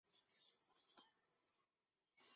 潮汐加速是行星与其卫星之间潮汐力的效应。